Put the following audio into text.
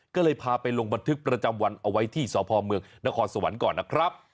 ก็เลยพาไปลงบันทึกประจำวันเอาไว้ที่สพเมืองนครสวรรค์ก่อนนะครับ